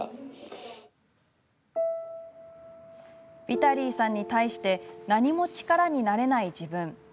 ヴィタリーさんに対して何も力になれない自分。